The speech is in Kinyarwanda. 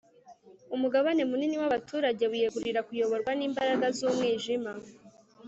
umugabane munini wabaturage wiyegurira kuyoborwa nimbaraga zumwijima